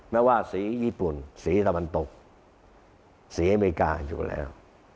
ไม่ว่าสีญี่ปุ่นสีตะวันตกสีอเมริกาอยู่แล้ว